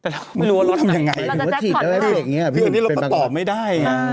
ทีนี้เราตอบไม่ได้